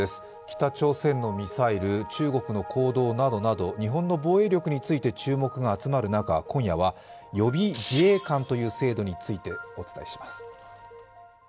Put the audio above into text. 北朝鮮のミサイル、中国の行動などなど日本の防衛力について注目が集まる中、今夜は予備自衛官という制度について、お伝えします。